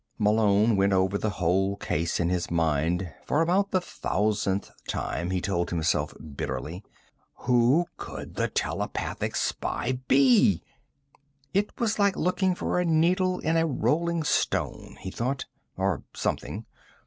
Malone went over the whole case in his mind for about the thousandth time, he told himself bitterly. Who could the telepathic spy be? It was like looking for a needle in a rolling stone, he thought. Or something.